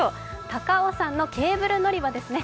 高尾山のケーブル乗り場ですね。